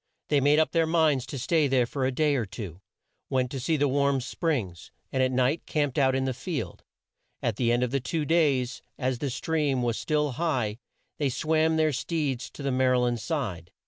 They made up their minds to stay there for a day or two; went to see the Warm Springs, and at night camped out in the field. At the end of two days, as the stream was still high, they swam their steeds to the Mar y land side.